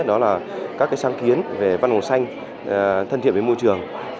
đó là các sáng kiến về văn hồ xanh thân thiện với môi trường